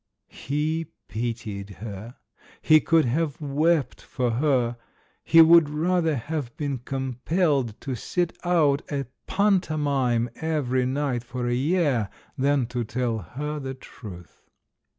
He pitied her, he could have wept for her, he would rather have been compelled to sit out a pantomime every night for a year than to tell her the truth.